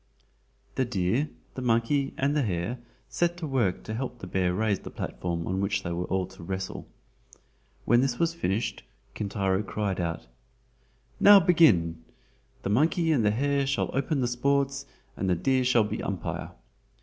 The deer, the monkey and the hare set to work to help the bear raise the platform on which they were all to wrestle. When this was finished, Kintaro cried out: "Now begin! the monkey and the hare shall open the sports and the deer shall be umpire.